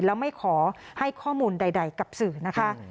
แล้วไม่ขอให้ข้อมูลใดกับสื่อนะคะ